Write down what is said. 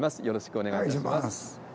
よろしくお願いお願いします。